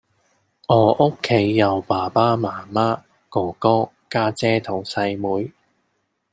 我屋企有爸爸媽媽，哥哥，家姐同細妹